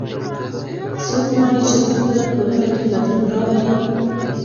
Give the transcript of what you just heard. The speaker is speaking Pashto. څوک غواړي چې په خپله ټولنه کې بدلون راولي